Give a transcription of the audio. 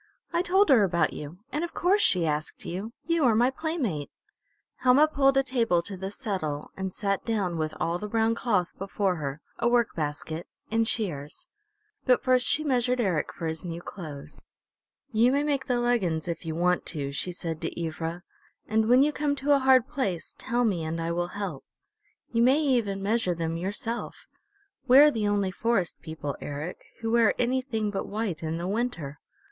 "I told her about you. And of course she asked you. You are my playmate!" Helma pulled a table to the settle and sat down with all the brown cloth before her, a work basket, and shears. But first she measured Eric for his new clothes. "You may make the leggins, if you want to," she said to Ivra, "and when you come to a hard place tell me and I will help. You may even measure them yourself.... We're the only Forest People, Eric, who wear anything but white in the winter.